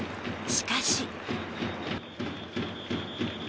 しかし。